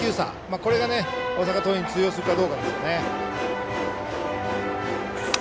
これが大阪桐蔭に通用するかどうかです。